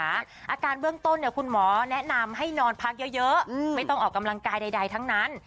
อาการเบื้องต้นคุณหมอแนะนำให้นอนพักเยอะไม่ต้องออกกำลังกายใดทั้งนั้น